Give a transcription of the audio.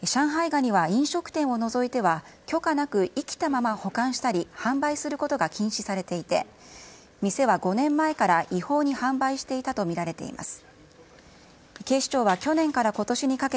ガニは飲食店を除いては、許可なく生きたまま保管したり販売することが禁止されていて、店は５年前から違法に販売していたと見られています。